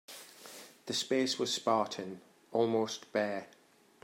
The space was spartan, almost bare.